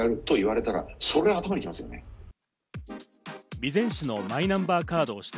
備前市のマイナンバーカード取得